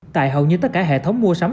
tại hầu như tất cả hệ thống mua sắm